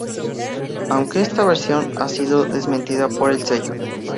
Aunque esta versión ha sido desmentida por el sello.